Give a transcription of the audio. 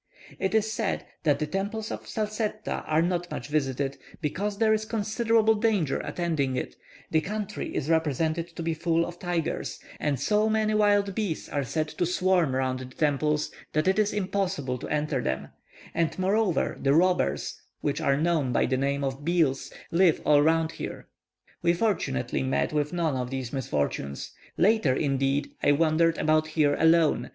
It is said that the temples at Salsetta are not much visited, because there is considerable danger attending it; the country is represented to be full of tigers, and so many wild bees are said to swarm round the temples that it is impossible to enter them; and moreover the robbers, which are known by the name of bheels, live all round here. We fortunately met with none of these misfortunes. Later, indeed, I wandered about here alone.